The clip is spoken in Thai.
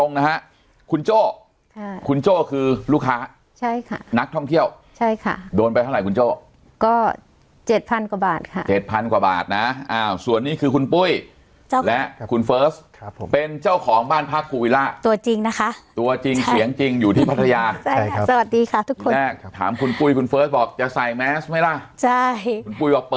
นะฮะคุณโจ้ค่ะคุณโจ้คือลูกค้าใช่ค่ะนักท่องเที่ยวใช่ค่ะโดนไปเท่าไหร่คุณโจ้ก็เจ็ดพันกว่าบาทค่ะเจ็ดพันกว่าบาทนะส่วนนี้คือคุณปุ้ยและคุณเฟิร์สครับผมเป็นเจ้าของบ้านพักภูวิล่าตัวจริงนะคะตัวจริงเสียงจริงอยู่ที่พัทยาใช่ครับสวัสดีค่ะทุกคนแรกถามคุณปุ้ยคุณเฟิร์สบอกจะใส่แมสไหมล่ะใช่คุณปุ้ยบอกเปิด